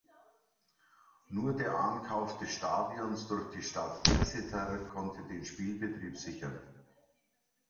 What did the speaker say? Nur der Ankauf des Stadions durch die Stadt Exeter konnte den Spielbetrieb sichern.